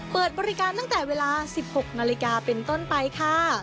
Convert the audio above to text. เปิดบริการตั้งแต่เวลา๑๖นาฬิกาเป็นต้นไปค่ะ